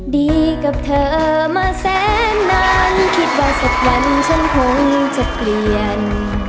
ดีกับเธอมาแสนนานคิดว่าสักวันฉันคงจะเปลี่ยน